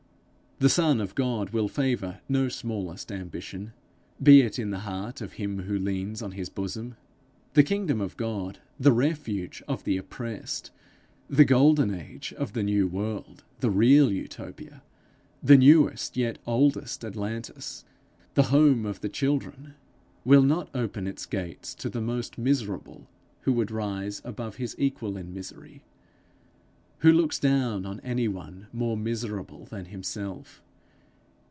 The Son of God will favour no smallest ambition, be it in the heart of him who leans on his bosom. The kingdom of God, the refuge of the oppressed, the golden age of the new world, the real Utopia, the newest yet oldest Atlantis, the home of the children, will not open its gates to the most miserable who would rise above his equal in misery, who looks down on any one more miserable than himself.